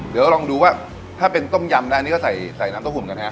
เดี๋ยวลองดูว่าถ้าเป็นต้มยำได้อันนี้ก็ใส่น้ำเต้าหุ่นกันฮะ